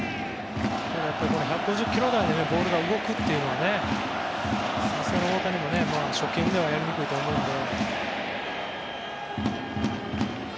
１５０キロ台でボールが動くというのはさすがに大谷も初見ではやりにくいと思います。